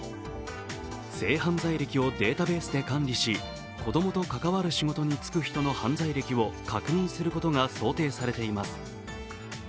性犯罪歴をデータベースで管理し子供と関わる人の犯罪歴を確認することが想定されています。